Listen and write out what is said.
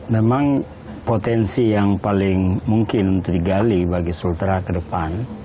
memang potensi yang paling mungkin untuk digali bagi sultra ke depan